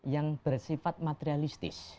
yang bersifat materialistis